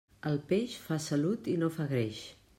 El peix fa salut i no fa greix.